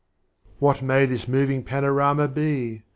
What may this Moving Panorama be?